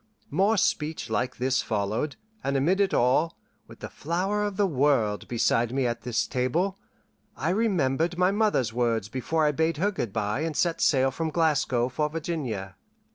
More speech like this followed, and amid it all, with the flower of the world beside me at this table, I remembered my mother's words before I bade her good bye and set sail from Glasgow for Virginia.